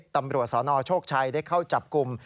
ตำรวจสนโชคชัยได้เข้าจับกลุ่ม